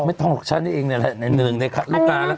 ไม่ต้องบอกฉันเองเนี่ยแหละ